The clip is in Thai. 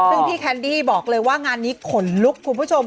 ซึ่งพี่แคนดี้บอกเลยว่างานนี้ขนลุกคุณผู้ชม